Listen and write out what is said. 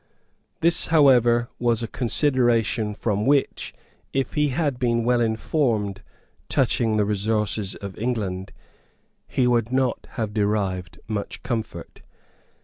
This however was a consideration from which, if he had been well informed touching the resources of England, he would not have derived much comfort.